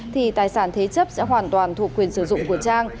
thì tài sản thế chấp sẽ hoàn toàn thuộc quyền sử dụng của trang